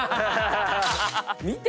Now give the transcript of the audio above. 見て！